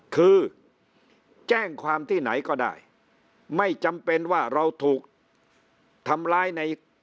คือแจ้งความที่ไหนก็ได้ไม่จำเป็นว่าเราถูกทำลายในท้องที่นั้น